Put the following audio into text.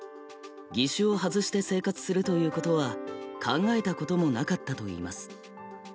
義手を外して生活するということは考えたこともなかったといいます。